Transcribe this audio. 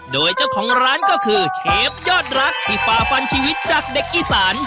โดยเจ้าของร้านก็คือเชฟยอดรักที่ฝ่าฟันชีวิตจากเด็กอีสาน